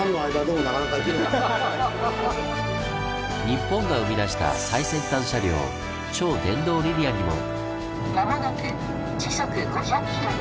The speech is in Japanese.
日本が生み出した最先端車両超電導リニアにも！